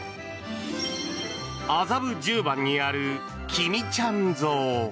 麻布十番にあるきみちゃん像。